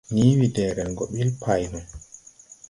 Nii we dɛɛrɛn go ɓil pay no.